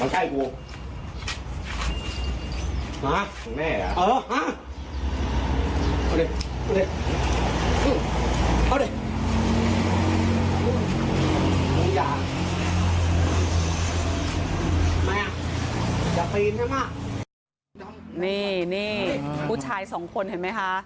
จะกินมากนี่นี่ผู้ชาย๒คนเห็นไหมค่ะ